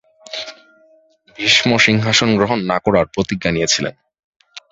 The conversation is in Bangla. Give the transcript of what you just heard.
ভীষ্ম সিংহাসন গ্রহণ না করার প্রতিজ্ঞা নিয়েছিলন।